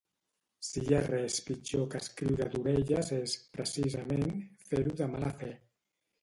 Si hi ha res pitjor que escriure d'orelles és, precisament, fer-ho en mala fe.